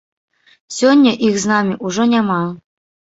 Сёння іх з намі ўжо няма.